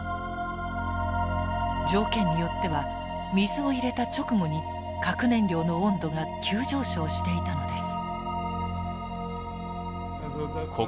条件によっては水を入れた直後に核燃料の温度が急上昇していたのです。